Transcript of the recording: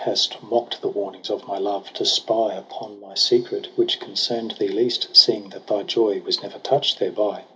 Hast mock'd the warnings of my love, to spy Upon my secret, which concern'd thee least. Seeing that thy joy was never touch'd thereby.